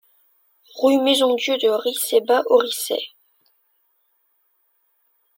Rue Maison Dieu de Ricey Bas aux Riceys